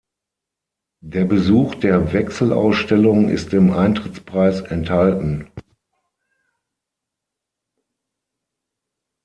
Der Besuch der Wechselausstellung ist im Eintrittspreis enthalten.